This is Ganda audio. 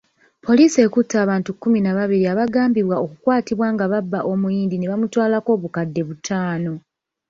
Poliisi ekutte abantu kkumi na babiri abagambibwa okukwatibwa nga babba omuyindi ne bamutwalako obukadde butaano.